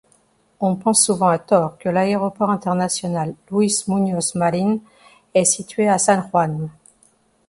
On pense souvent à tort que l'Aéroport international Luis-Muñoz-Marín est situé à San Juan.